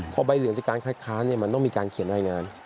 พอใบเหลืองจากการคัดค้านมันต้องมีการเขียนรายงาน